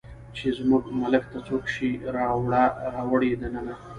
چې زموږ ملک ته څوک شی راوړي دننه